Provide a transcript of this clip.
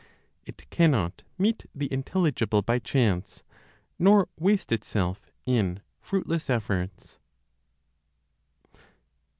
It cannot meet the intelligible by chance, nor waste itself in fruitless efforts.